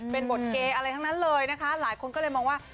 เป็นบทเกย์อะไรทั้งนั้นเลยนะคะหลายคนก็เลยมองว่า